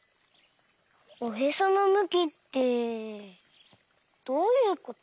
おへそのむきってどういうこと？